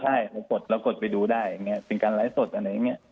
ใช่เรากดไปดูได้สิ่งการไลท์สดอะไรอย่างเงี้ย